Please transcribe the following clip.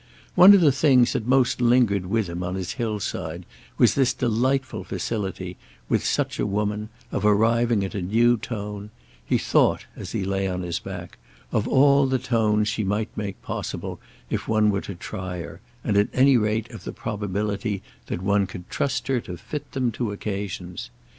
One of the things that most lingered with him on his hillside was this delightful facility, with such a woman, of arriving at a new tone; he thought, as he lay on his back, of all the tones she might make possible if one were to try her, and at any rate of the probability that one could trust her to fit them to occasions.